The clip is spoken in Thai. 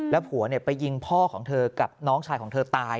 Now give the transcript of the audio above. ผัวไปยิงพ่อของเธอกับน้องชายของเธอตาย